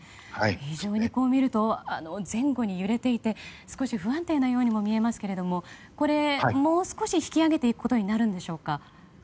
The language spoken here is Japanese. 非常に前後に揺れていて少し不安定なようにも見えますけどもう少し引き揚げていくことになるんでしょうか？